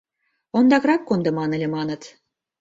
Ондакрак кондыман ыле, маныт...